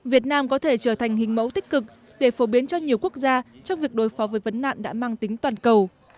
việt nam có thể trở thành hình mẫu tích cực để phổ biến cho nhiều quốc gia trong việc đối phó với vấn nạn đã mang tính toàn cầu